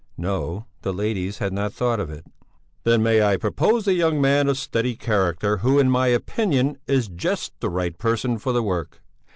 No, the ladies had not thought of it. "Then may I propose a young man of steady character, who in my opinion is just the right person for the work?